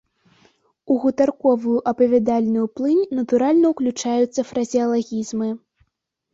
У гутарковую апавядальную плынь натуральна ўключаюцца фразеалагізмы.